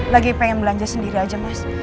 lagi pengen belanja sendiri aja mas